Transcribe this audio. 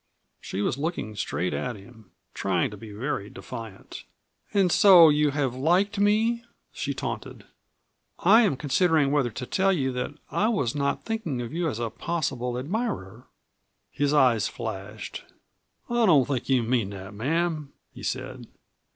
She was looking straight at him, trying to be very defiant. "And so you have liked me?" she taunted. "I am considering whether to tell you that I was not thinking of you as a possible admirer." His eyes flashed. "I don't think you mean that, ma'am," he said.